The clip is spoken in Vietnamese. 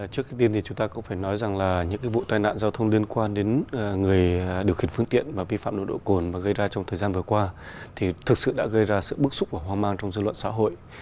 trước khi tin thì chúng ta cũng phải nói rằng là những vụ tai nạn giao thông liên quan đến người điều khiển phương tiện và vi phạm nội độ cồn mà gây ra trong thời gian vừa qua thì thực sự đã gây ra sự bức xúc và hoang mang trong dư luận xã hội